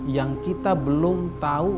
yang kita belum tahu